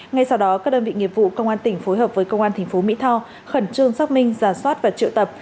ngay sau đó các đơn vị nghiệp vụ công an tỉnh phối hợp với công an thành phố mỹ tho khẩn trương xác minh giả soát và trụ tập